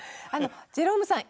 ジェロームさん